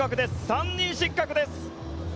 ３人失格です。